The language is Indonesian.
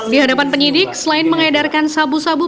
di hadapan penyidik selain mengedarkan sabu sabu